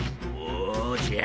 おじゃ。